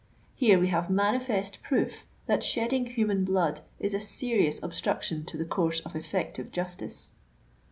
Here we have manifest proof that shedding human blood is a serious obstruction to the course of efiTective justice."